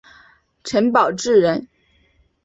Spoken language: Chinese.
陈宝炽人。